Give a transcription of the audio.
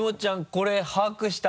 これ把握した？